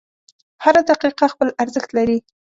• هره دقیقه خپل ارزښت لري.